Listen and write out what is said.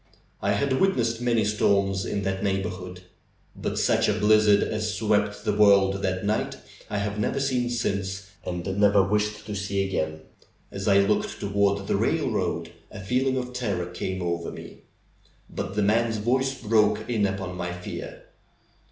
I had witnessed many storms in that neigh borhood, but such a blizzard as swept the world that night I have never seen since, and never wish to see again. As I looked toward the railroad a feeling of terror came over me. But the man's voice broke in upon my fear.